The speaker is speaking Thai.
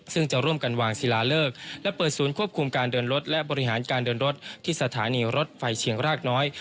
ซึ่งจะร่วมกันวางศิลาเลิกและเปิดศูนย์ควบคุมการเดินรถและบริหารการเดินรถที่สถานีรถไฟเชียงรากน้อย